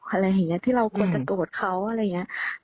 อะไรอย่างนี้ที่เราควรจะโกรธเขาอะไรอย่างนี้